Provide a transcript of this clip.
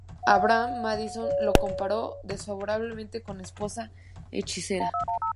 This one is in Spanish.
Avram Madison lo comparó desfavorablemente con "Esposa hechicera".